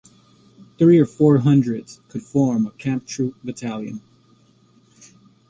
Three or four hundreds could form a Kampftruppe Battalion.